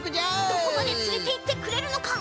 どこまでつれていってくれるのか。